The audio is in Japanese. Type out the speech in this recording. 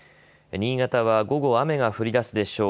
新潟は午後、雨が降りだすでしょう。